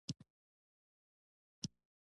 او د افغانستان خلکو ته وايي.